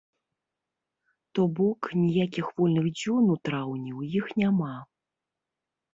То бок, ніякіх вольных дзён у траўні ў іх няма.